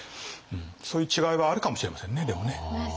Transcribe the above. そういう違いはあるかもしれませんねでもね。